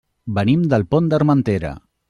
Venim del Pont d'Armentera.